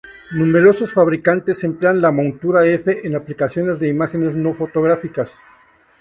Numerosos fabricantes emplean la montura F en aplicaciones de imágenes no fotográficas.